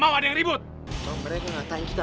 berani berani nih mereka ngatain kita